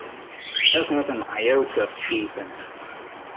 There's not an iota of truth in it.